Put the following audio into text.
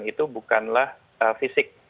itu bukanlah fisik